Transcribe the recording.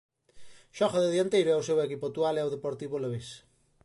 Xoga de dianteiro e o seu equipo actual é o Deportivo Alavés.